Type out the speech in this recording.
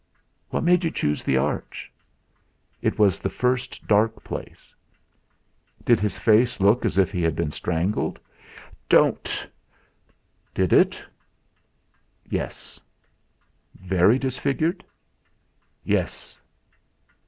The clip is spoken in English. "What made you choose the arch?" "It was the first dark place." "Did his face look as if he had been strangled?" "Don't!" "Did it?" "Yes." "Very disfigured?" "Yes."